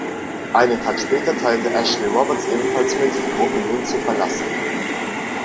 Einen Tag später teilte Ashley Roberts ebenfalls mit, die Gruppe nun zu verlassen.